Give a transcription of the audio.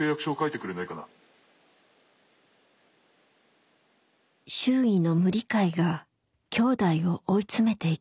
周囲の無理解がきょうだいを追い詰めていきます。